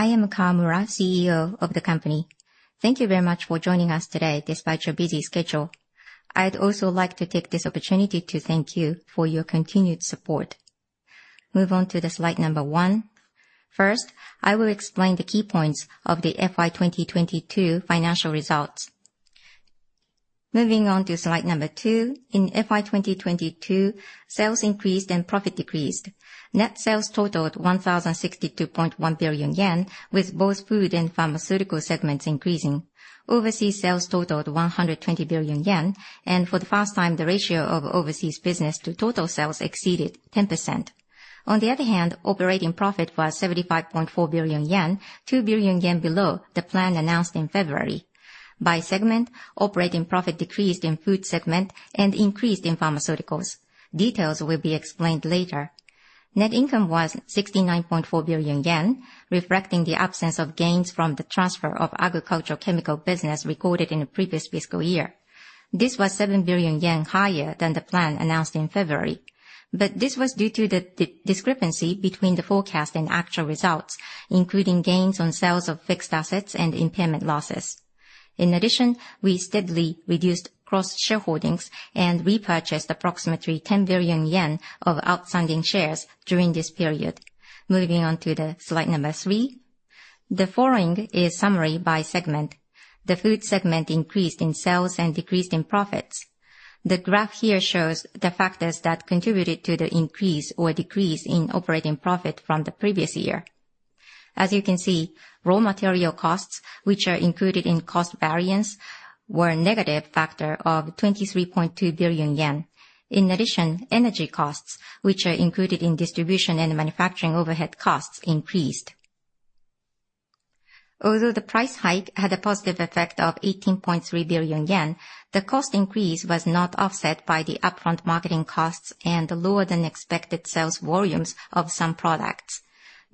I am Kawamura, CEO of the company. Thank you very much for joining us today despite your busy schedule. I'd also like to take this opportunity to thank you for your continued support. Move on to the slide number one. First, I will explain the key points of the FY 2022 financial results. Moving on to slide number two. In FY 2022, sales increased and profit decreased. Net sales totaled 1,062.1 billion yen, with both food and pharmaceutical segments increasing. Overseas sales totaled 120 billion yen, and for the first time, the ratio of overseas business to total sales exceeded 10%. On the other hand, operating profit was 75.4 billion yen, 2 billion yen below the plan announced in February. By segment, operating profit decreased in food segment and increased in pharmaceuticals. Details will be explained later. Net income was 69.4 billion yen, reflecting the absence of gains from the transfer of agricultural chemical business recorded in the previous fiscal year. This was 7 billion yen higher than the plan announced in February, but this was due to the discrepancy between the forecast and actual results, including gains on sales of fixed assets and impairment losses. In addition, we steadily reduced cross-shareholdings and repurchased approximately 10 billion yen of outstanding shares during this period. Moving on to the slide number three. The following is summary by segment. The food segment increased in sales and decreased in profits. The graph here shows the factors that contributed to the increase or decrease in operating profit from the previous year. As you can see, raw material costs, which are included in cost variance, were a negative factor of 23.2 billion yen. In addition, energy costs, which are included in distribution and manufacturing overhead costs, increased. Although the price hike had a positive effect of 18.3 billion yen, the cost increase was not offset by the upfront marketing costs and lower than expected sales volumes of some products.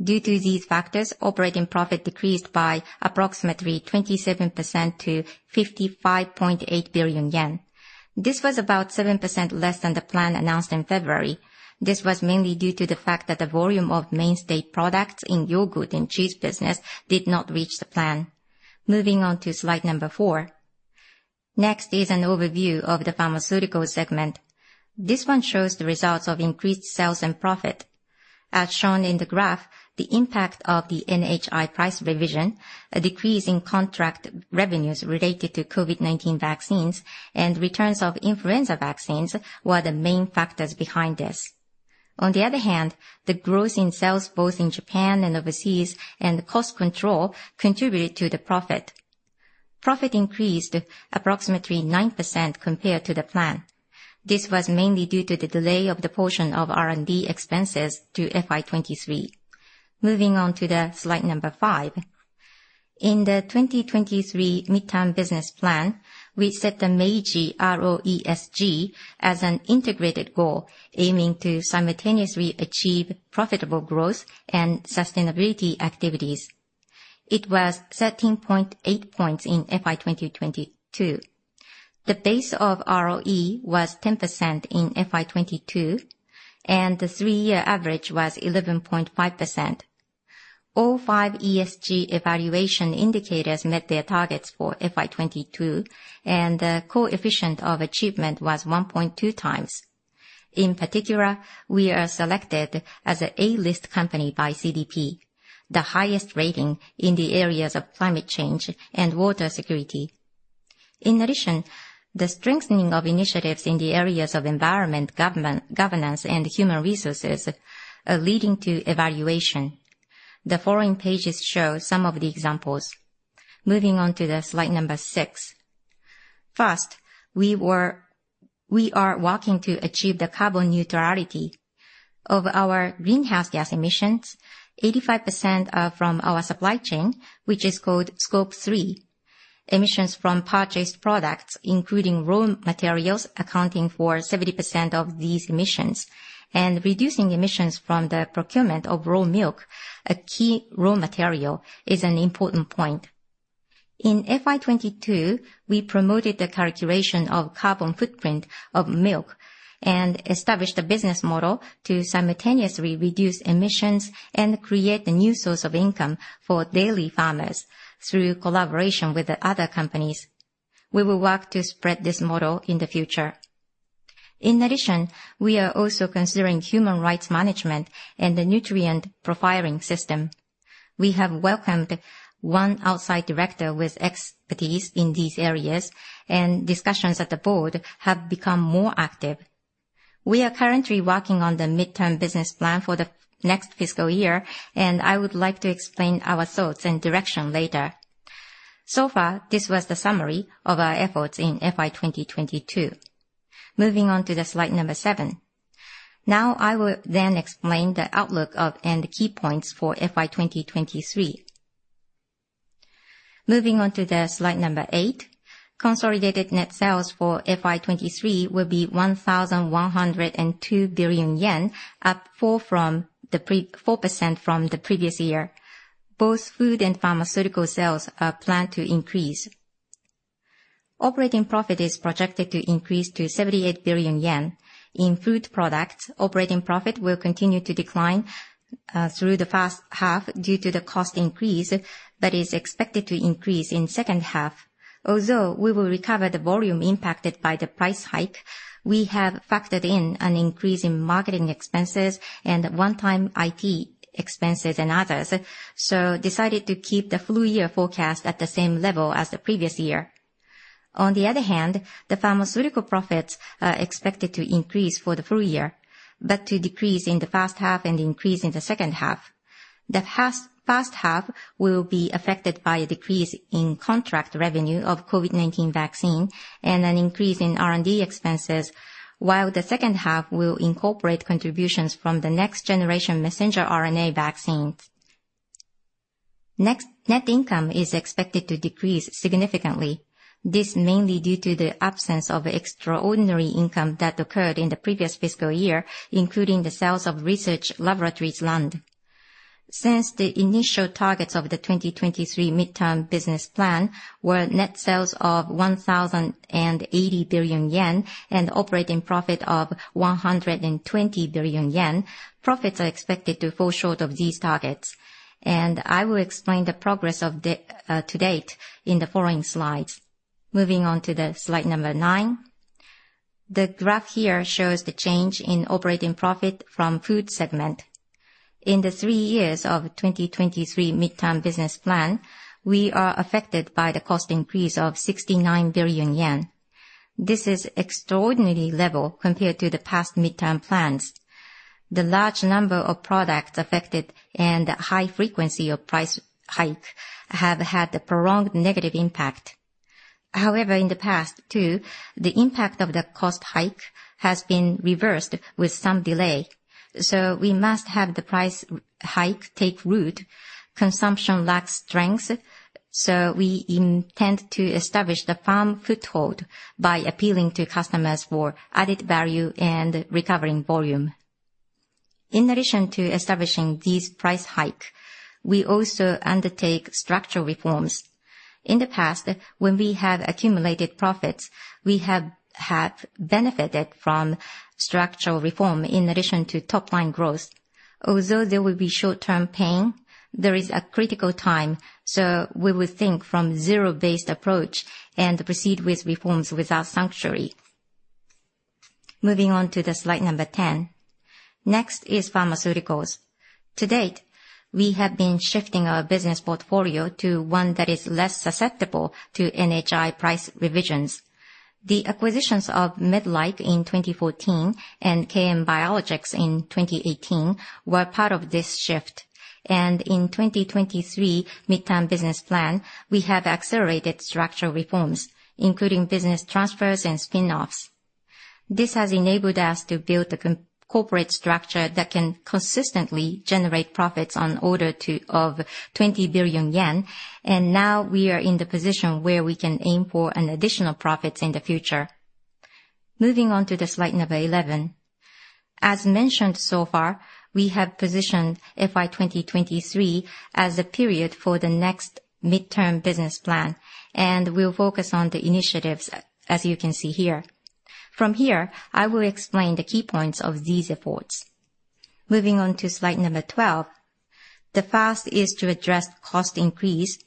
Due to these factors, operating profit decreased by approximately 27% to 55.8 billion yen. This was about 7% less than the plan announced in February. This was mainly due to the fact that the volume of mainstay products in yogurt and cheese business did not reach the plan. Moving on to slide number four. Next is an overview of the pharmaceutical segment. This one shows the results of increased sales and profit. As shown in the graph, the impact of the NHI price revision, a decrease in contract revenues related to COVID-19 vaccines, and returns of influenza vaccines were the main factors behind this. On the other hand, the growth in sales both in Japan and overseas and cost control contributed to the profit. Profit increased approximately 9% compared to the plan. This was mainly due to the delay of the portion of R&D expenses to FY 2023. Moving on to the slide number five. In the 2023 midterm business plan, we set the Meiji ROESG as an integrated goal, aiming to simultaneously achieve profitable growth and sustainability activities. It was 13.8 points in FY 2022. The base of ROE was 10% in FY 2022, and the 3-year average was 11.5%. All five ESG evaluation indicators met their targets for FY 2022, the coefficient of achievement was 1.2 times. In particular, we are selected as a A-list company by CDP, the highest rating in the areas of climate change and water security. In addition, the strengthening of initiatives in the areas of environment, governance, and human resources are leading to evaluation. The following pages show some of the examples. Moving on to the slide number six. First, we are working to achieve the carbon neutrality of our greenhouse gas emissions. 85% are from our supply chain, which is called Scope 3. Emissions from purchased products, including raw materials accounting for 70% of these emissions. Reducing emissions from the procurement of raw milk, a key raw material, is an important point. In FY 2022, we promoted the calculation of carbon footprint of milk and established a business model to simultaneously reduce emissions and create a new source of income for dairy farmers through collaboration with the other companies. We will work to spread this model in the future. In addition, we are also considering human rights management and the nutrient profiling system. We have welcomed one outside director with expertise in these areas, and discussions at the board have become more active. We are currently working on the midterm business plan for the next fiscal year, and I would like to explain our thoughts and direction later. So far, this was the summary of our efforts in FY 2022. Moving on to the slide number seven. Now I will then explain the outlook of, and the key points for FY 2023. Moving on to the slide number eight. Consolidated net sales for FY 2023 will be 1,102 billion yen, up 4% from the previous year. Both food and pharmaceutical sales are planned to increase. Operating profit is projected to increase to 78 billion yen. In food products, operating profit will continue to decline through the first half due to the cost increase that is expected to increase in second half. Although we will recover the volume impacted by the price hike, we have factored in an increase in marketing expenses and one-time IT expenses and others, so decided to keep the full year forecast at the same level as the previous year. On the other hand, the pharmaceutical profits are expected to increase for the full year, but to decrease in the first half and increase in the second half. The first half will be affected by a decrease in contract revenue of COVID-19 vaccine and an increase in R&D expenses, while the second half will incorporate contributions from the next generation messenger RNA vaccines. Net income is expected to decrease significantly. This mainly due to the absence of extraordinary income that occurred in the previous fiscal year, including the sales of research laboratories land. Since the initial targets of the 2023 midterm business plan were net sales of 1,080 billion yen and operating profit of 120 billion yen, profits are expected to fall short of these targets. I will explain the progress of the to date in the following slides. Moving on to the slide number nine. The graph here shows the change in operating profit from food segment. In the three years of 2023 midterm business plan, we are affected by the cost increase of 69 billion yen. This is extraordinary level compared to the past midterm plans. The large number of products affected and high frequency of price hike have had a prolonged negative impact. In the past too, the impact of the cost hike has been reversed with some delay. We must have the price hike take root. Consumption lacks strength. We intend to establish the firm foothold by appealing to customers for added value and recovering volume. In addition to establishing this price hike, we also undertake structural reforms. In the past, when we have accumulated profits, we have had benefited from structural reform in addition to top line growth. Although there will be short-term pain, there is a critical time, so we will think from zero-based approach and proceed with reforms without sanctuary. Moving on to the slide number 10. Next is pharmaceuticals. To date, we have been shifting our business portfolio to one that is less susceptible to NHI price revisions. The acquisitions of Medreich Ltd. in 2014 and KM Biologics in 2018 were part of this shift. In 2023 midterm business plan, we have accelerated structural reforms, including business transfers and spin-offs. This has enabled us to build a corporate structure that can consistently generate profits on order to of 20 billion yen. Now we are in the position where we can aim for an additional profits in the future. Moving on to the slide number 11. As mentioned so far, we have positioned FY 2023 as a period for the next midterm business plan. We'll focus on the initiatives as you can see here. From here, I will explain the key points of these efforts. Moving on to slide number 12. The first is to address cost increase.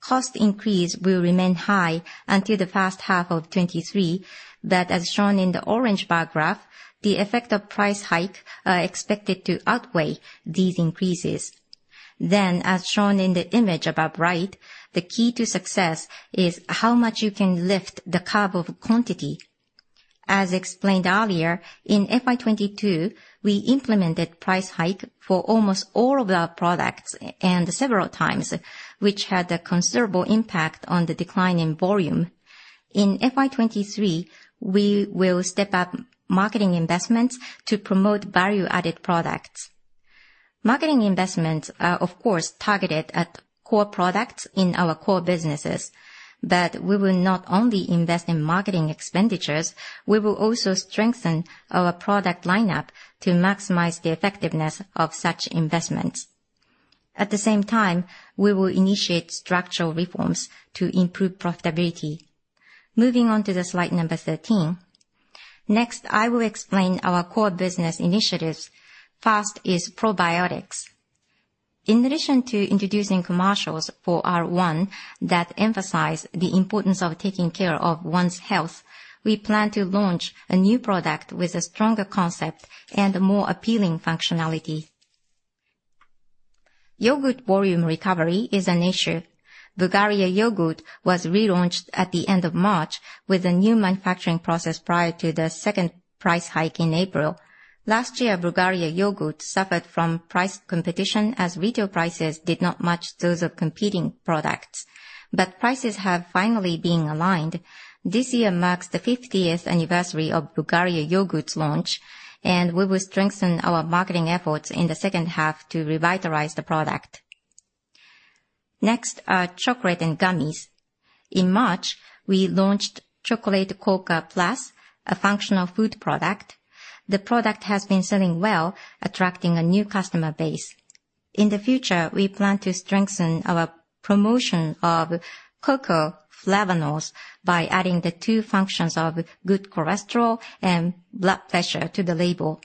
Cost increase will remain high until the first half of 2023. As shown in the orange bar graph, the effect of price hike are expected to outweigh these increases. As shown in the image above right, the key to success is how much you can lift the curve of quantity. As explained earlier, in FY 2022, we implemented price hike for almost all of our products and several times, which had a considerable impact on the decline in volume. In FY 2023, we will step up marketing investments to promote value-added products. Marketing investments are of course targeted at core products in our core businesses, but we will not only invest in marketing expenditures, we will also strengthen our product lineup to maximize the effectiveness of such investments. At the same time, we will initiate structural reforms to improve profitability. Moving on to slide number 13. Next, I will explain our core business initiatives. First is probiotics. In addition to introducing commercials for R-1 that emphasize the importance of taking care of one's health, we plan to launch a new product with a stronger concept and a more appealing functionality. Yogurt volume recovery is an issue. Meiji Bulgaria Yogurt was relaunched at the end of March with a new manufacturing process prior to the second price hike in April. Last year, Meiji Bulgaria Yogurt suffered from price competition as retail prices did not match those of competing products. Prices have finally been aligned. This year marks the 50th anniversary of Meiji Bulgaria Yogurt's launch. We will strengthen our marketing efforts in the second half to revitalize the product. Next are chocolate and gummies. In March, we launched Chocolate Cacao Plus, a functional food product. The product has been selling well, attracting a new customer base. In the future, we plan to strengthen our promotion of cocoa flavanols by adding the two functions of good cholesterol and blood pressure to the label.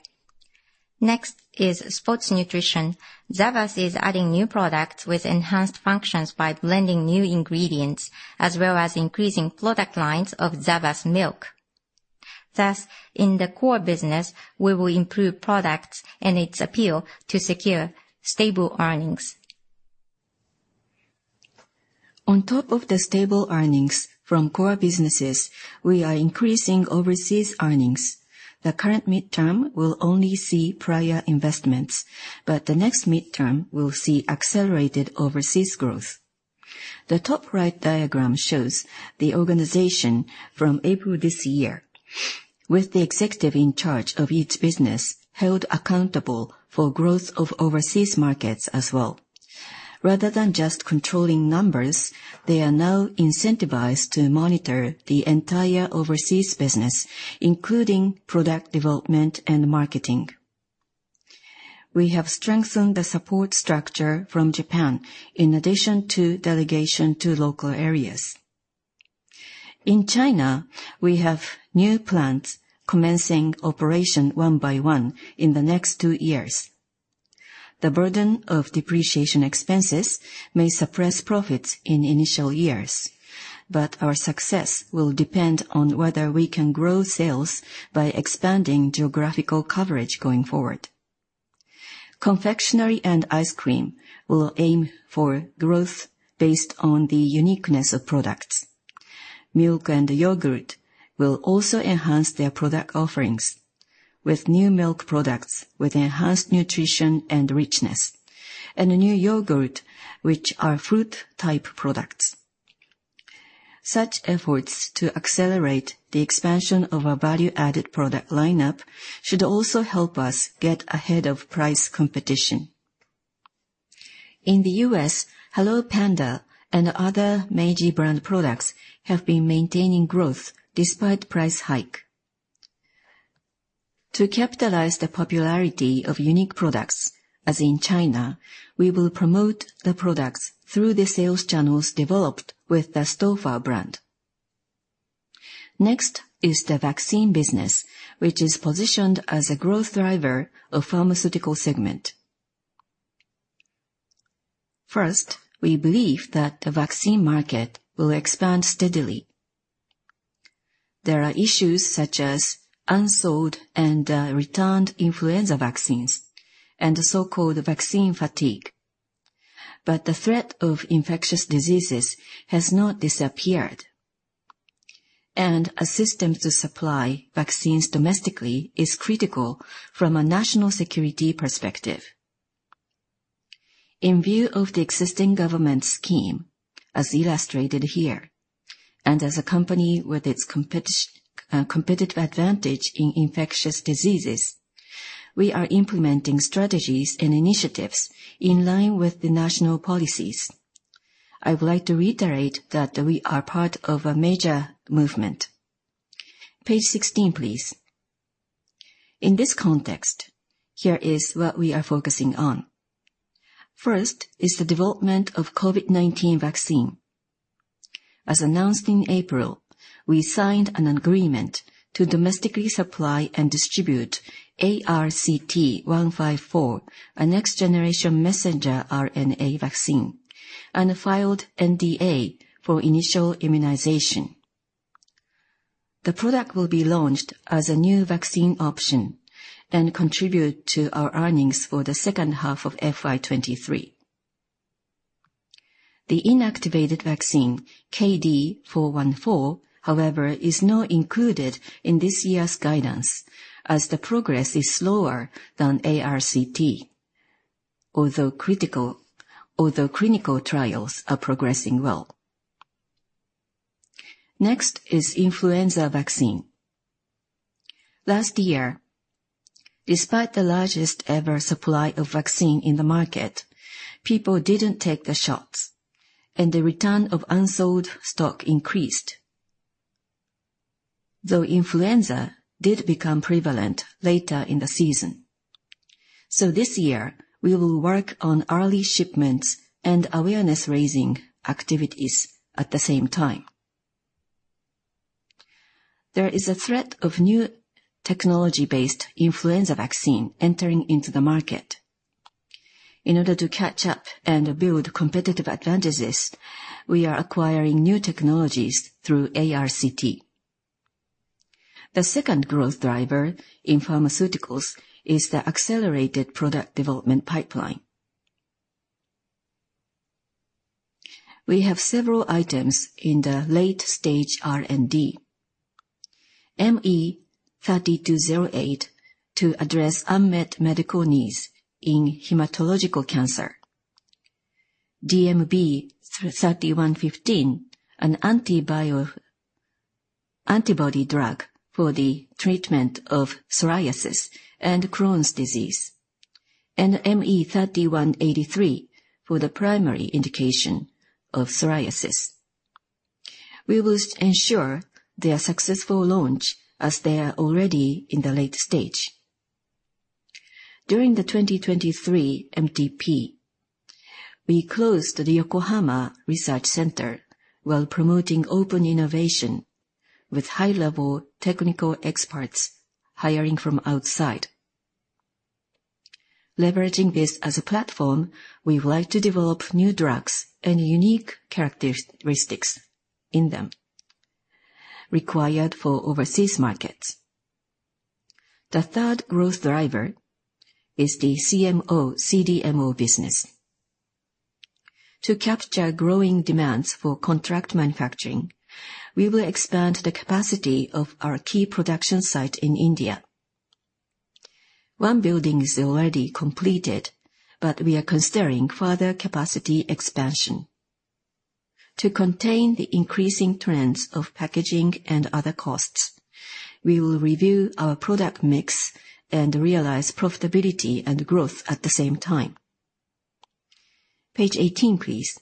Next is sports nutrition. SAVAS is adding new products with enhanced functions by blending new ingredients, as well as increasing product lines of SAVAS milk. In the core business, we will improve products and its appeal to secure stable earnings. On top of the stable earnings from core businesses, we are increasing overseas earnings. The current midterm will only see prior investments, but the next midterm will see accelerated overseas growth. The top right diagram shows the organization from April this year, with the executive in charge of each business held accountable for growth of overseas markets as well. Rather than just controlling numbers, they are now incentivized to monitor the entire overseas business, including product development and marketing. We have strengthened the support structure from Japan in addition to delegation to local areas. In China, we have new plants commencing operation one by one in the next two years. The burden of depreciation expenses may suppress profits in initial years, but our success will depend on whether we can grow sales by expanding geographical coverage going forward. Confectionery and ice cream will aim for growth based on the uniqueness of products. Milk and yogurt will also enhance their product offerings with new milk products with enhanced nutrition and richness, and a new yogurt which are fruit type products. Such efforts to accelerate the expansion of our value-added product lineup should also help us get ahead of price competition. In the U.S., Hello Panda and other Meiji brand products have been maintaining growth despite price hike. To capitalize the popularity of unique products, as in China, we will promote the products through the sales channels developed with the Stauffer's brand. Next is the vaccine business, which is positioned as a growth driver of pharmaceutical segment. First, we believe that the vaccine market will expand steadily. There are issues such as unsold and returned influenza vaccines and the so-called vaccine fatigue. The threat of infectious diseases has not disappeared. A system to supply vaccines domestically is critical from a national security perspective. In view of the existing government scheme, as illustrated here, as a company with its competitive advantage in infectious diseases, we are implementing strategies and initiatives in line with the national policies. I would like to reiterate that we are part of a major movement. Page 16, please. In this context, here is what we are focusing on. First is the development of COVID-19 vaccine. As announced in April, we signed an agreement to domestically supply and distribute ARCT-154, a next-generation messenger RNA vaccine, and filed NDA for initial immunization. The product will be launched as a new vaccine option and contribute to our earnings for the second half of FY 2023. The inactivated vaccine, KD-414, however, is not included in this year's guidance as the progress is slower than ARCT, although clinical trials are progressing well. Next is influenza vaccine. Last year, despite the largest ever supply of vaccine in the market, people didn't take the shots, and the return of unsold stock increased, though influenza did become prevalent later in the season. This year, we will work on early shipments and awareness-raising activities at the same time. There is a threat of new technology-based influenza vaccine entering into the market. In order to catch up and build competitive advantages, we are acquiring new technologies through ARCT. The second growth driver in pharmaceuticals is the accelerated product development pipeline. We have several items in the late-stage R&D. ME3208 to address unmet medical needs in hematological cancer. DMB-3115, an antibody drug for the treatment of psoriasis and Crohn's disease. ME3183 for the primary indication of psoriasis. We will ensure their successful launch as they are already in the late stage. During the 2023 MTP, we closed the Yokohama research center while promoting open innovation with high-level technical experts hiring from outside. Leveraging this as a platform, we would like to develop new drugs and unique characteristics in them required for overseas markets. The third growth driver is the CMO/CDMO business. To capture growing demands for contract manufacturing, we will expand the capacity of our key production site in India. One building is already completed, but we are considering further capacity expansion. To contain the increasing trends of packaging and other costs, we will review our product mix and realize profitability and growth at the same time. Page 18, please.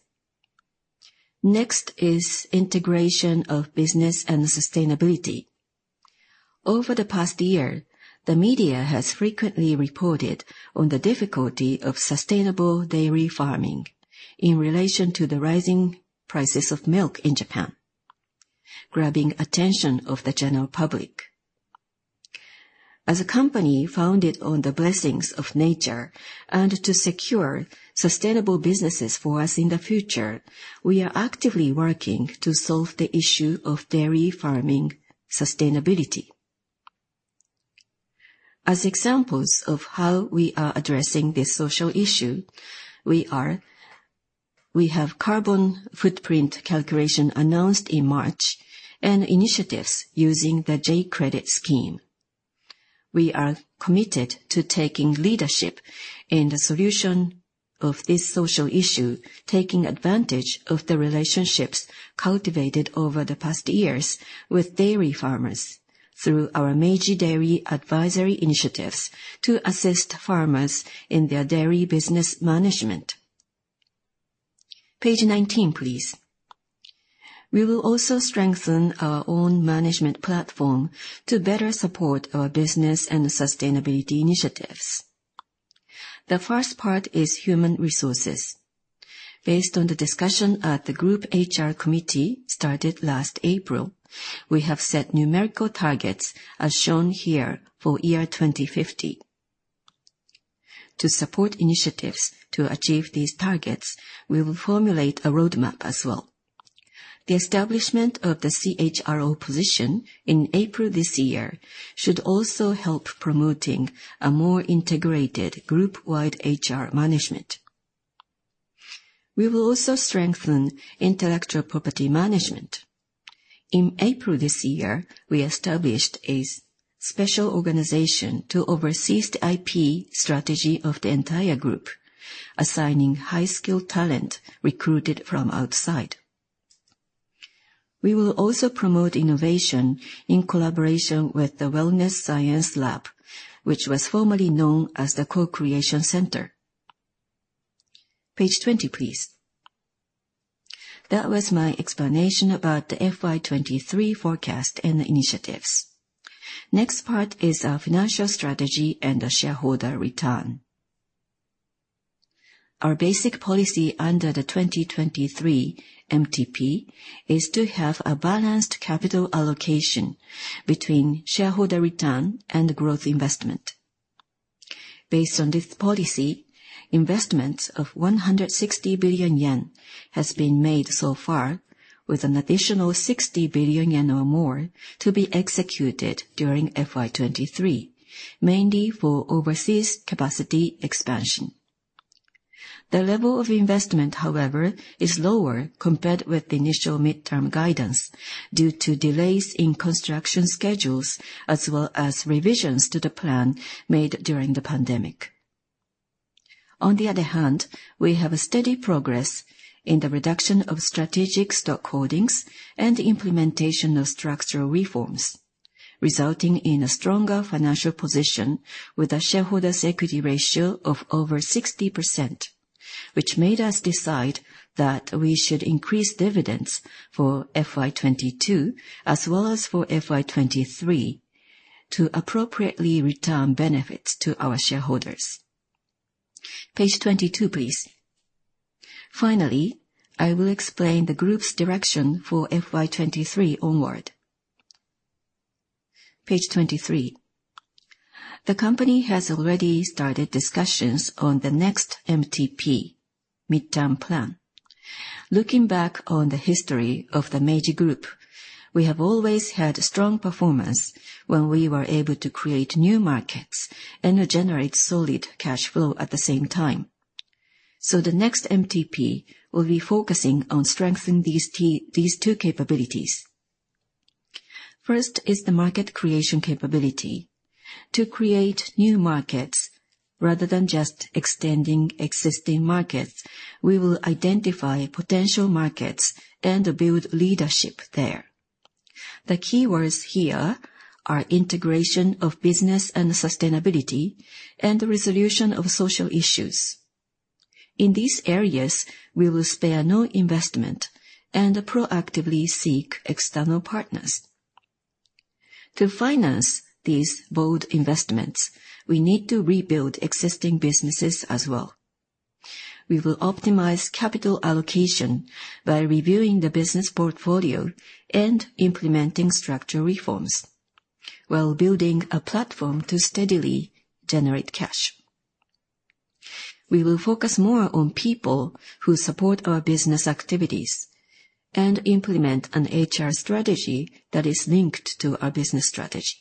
Next is integration of business and sustainability. Over the past year, the media has frequently reported on the difficulty of sustainable dairy farming in relation to the rising prices of milk in Japan, grabbing attention of the general public. As a company founded on the blessings of nature, and to secure sustainable businesses for us in the future, we are actively working to solve the issue of dairy farming sustainability. As examples of how we are addressing this social issue, we have carbon footprint calculation announced in March and initiatives using the J-Credit Scheme. We are committed to taking leadership in the solution of this social issue, taking advantage of the relationships cultivated over the past years with dairy farmers through our Meiji Dairy Advisory initiatives to assist farmers in their dairy business management. Page 19, please. We will also strengthen our own management platform to better support our business and sustainability initiatives. The first part is human resources. Based on the discussion at the group HR committee started last April, we have set numerical targets as shown here for year 2050. To support initiatives to achieve these targets, we will formulate a roadmap as well. The establishment of the CHRO position in April this year should also help promoting a more integrated group-wide HR management. We will also strengthen intellectual property management. In April this year, we established a special organization to oversee the IP strategy of the entire group, assigning high-skilled talent recruited from outside. We will also promote innovation in collaboration with the Wellness Science Lab, which was formerly known as the Co-creation Center. Page 20, please. That was my explanation about the FY 2023 forecast and the initiatives. Next part is our financial strategy and the shareholder return. Our basic policy under the 2023 MTP is to have a balanced capital allocation between shareholder return and growth investment. Based on this policy, investments of 160 billion yen has been made so far, with an additional 60 billion yen or more to be executed during FY 2023, mainly for overseas capacity expansion. The level of investment, however, is lower compared with the initial midterm guidance due to delays in construction schedules as well as revisions to the plan made during the pandemic. On the other hand, we have a steady progress in the reduction of strategic stock holdings and implementation of structural reforms, resulting in a stronger financial position with a shareholders' equity ratio of over 60%, which made us decide that we should increase dividends for FY 2022 as well as for FY 2023 to appropriately return benefits to our shareholders. Page 22, please. Finally, I will explain the group's direction for FY 2023 onward. Page 23. The company has already started discussions on the next MTP, Midterm Plan. Looking back on the history of the Meiji Group, we have always had strong performance when we were able to create new markets and generate solid cash flow at the same time. The next MTP will be focusing on strengthening these two capabilities. First is the market creation capability. To create new markets rather than just extending existing markets, we will identify potential markets and build leadership there. The keywords here are integration of business and sustainability and the resolution of social issues. In these areas, we will spare no investment and proactively seek external partners. To finance these bold investments, we need to rebuild existing businesses as well. We will optimize capital allocation by reviewing the business portfolio and implementing structural reforms while building a platform to steadily generate cash. We will focus more on people who support our business activities and implement an HR strategy that is linked to our business strategy.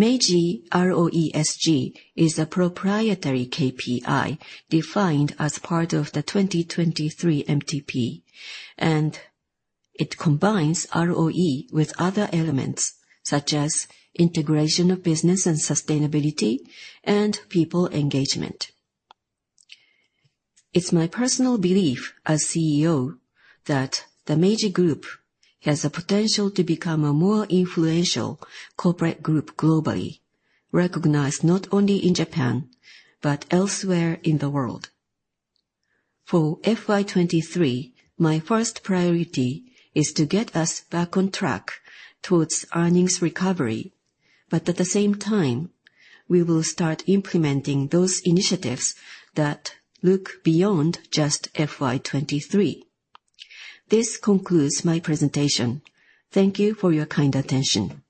Meiji ROESG is a proprietary KPI defined as part of the 2023 MTP. It combines ROE with other elements such as integration of business and sustainability and people engagement. It's my personal belief as CEO that the Meiji Group has the potential to become a more influential corporate group globally, recognized not only in Japan, but elsewhere in the world. For FY 2023, my first priority is to get us back on track towards earnings recovery. At the same time, we will start implementing those initiatives that look beyond just FY 2023. This concludes my presentation. Thank you for your kind attention.